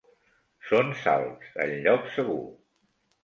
Són salvs en lloc segur.